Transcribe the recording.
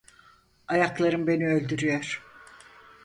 Ayaklarım beni öldürüyor.